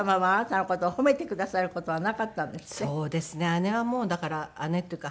姉はもうだから姉っていうか